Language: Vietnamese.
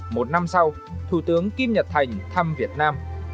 một năm sau thủ tướng kim nhật thành thăm việt nam